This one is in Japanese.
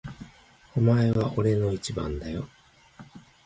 お前は俺の一番だよ。